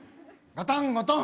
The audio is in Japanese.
ガタンゴトン。